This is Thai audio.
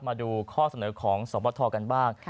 มาดูข้อเสนอของสวบทกันบ้าง